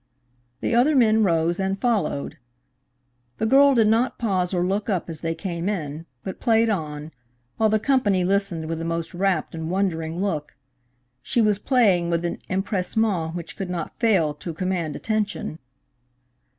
The other men rose and followed. The girl did not pause or look up as they came in, but played on, while the company listened with the most rapt and wondering look. She was playing with an empressement which could not fail to command attention.